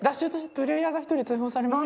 「プレイヤーが１人追放されます」。